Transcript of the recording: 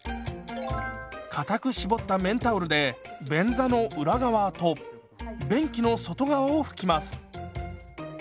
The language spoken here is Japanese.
かたく絞った綿タオルで便座の裏側と便器の外側を拭きます。